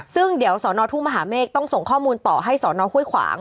ซึ่งเดี๋ยวสอนอทุ่งมหาเมฆต้องส่งข้อมูลต่อให้สอนอห้วยขวาง